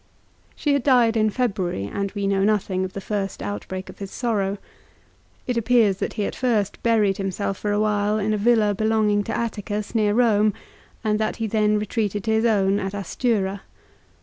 She had died in February, and we know nothing of the first outbreak of his sorrow. It appears that he at first buried himself for a while in a villa belonging to Atticus, near Borne, and that he then retreated to his own at Astura.